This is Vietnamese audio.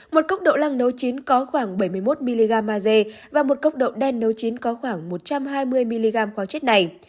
một cốc độ lăng nấu chín có khoảng bảy mươi một mgma dê và một cốc độ đen nấu chín có khoảng một trăm hai mươi mg khoáng chất này